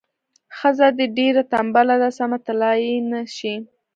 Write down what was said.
ښځه دې ډیره تنبله ده سمه تلای نه شي.